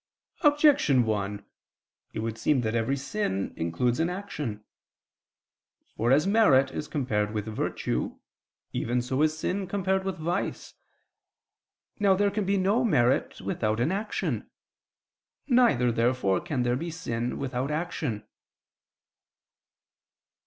Objection 1: It would seem that every sin includes an action. For as merit is compared with virtue, even so is sin compared with vice. Now there can be no merit without an action. Neither, therefore, can there be sin without action.